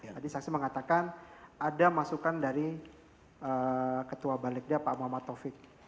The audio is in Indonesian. tadi saksi mengatakan ada masukan dari ketua balikda pak muhammad taufik